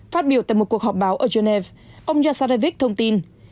phát biểu tại một cuộc họp báo ở geneva ông jarevich thông tin